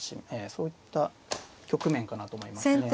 そういった局面かなと思いますね。